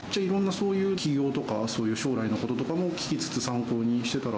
企業とか、そういう将来のこととかも聞きつつ、参考にしてたら？